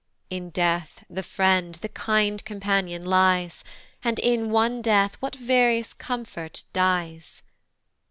In death the friend, the kind companion lies, And in one death what various comfort dies!